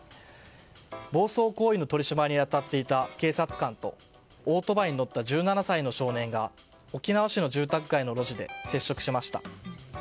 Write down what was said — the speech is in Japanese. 暴走行為の取り締まりに当たっていた警察官とオートバイに乗った１７歳の少年が沖縄市の住宅街の路地で接触しました。